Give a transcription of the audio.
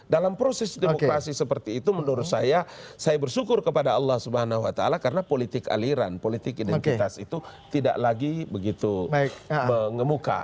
dalam proses demokrasi seperti itu menurut saya saya bersyukur kepada allah swt karena politik aliran politik identitas itu tidak lagi begitu mengemuka